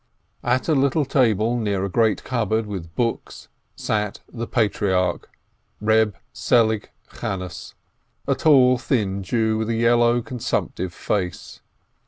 At a little table near a great cupboard with books sat the "patriarch" Reb Selig Chanes, a tall, thin Jew, with a yellow, consumptive face.